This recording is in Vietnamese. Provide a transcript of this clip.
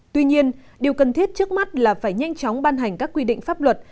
tuy nhiên điều cần thiết trước mắt là phải nhanh chóng ban hành các quy định pháp luật